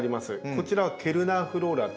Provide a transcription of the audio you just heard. こちらはケルナーフローラという。